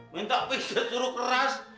minta pisah suruh keras